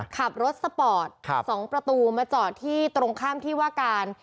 ขับรถสปอร์ต๒ประตูมาจอดที่ตรงข้ามที่ว่าการ